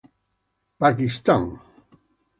Pakistan; Fl.